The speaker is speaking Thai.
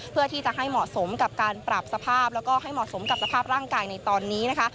เพื่อที่จะให้เหมาะสมกับการปรับสภาพแล้วก็ให้เหมาะสมกับสภาพร่างกายในตอนนี้นะคะ